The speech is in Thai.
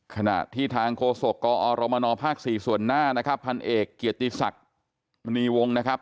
ขณะที่ทางโฆษกกอรมนภ๔ส่วนหน้านะครับพันเอกเกียรติศักดิ์มณีวงศ์นะครับ